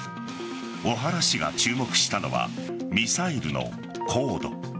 小原氏が注目したのはミサイルの高度。